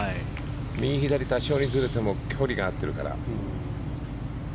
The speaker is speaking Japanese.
右、左、多少ずれても距離が合っているから。